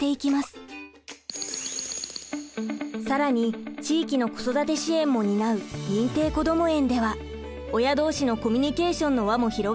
更に地域の子育て支援も担う認定こども園では親同士のコミュニケーションの輪も広がります。